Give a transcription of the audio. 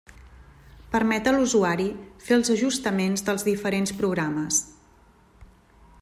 Permet a l'usuari fer els ajustaments dels diferents programes.